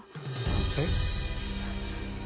えっ？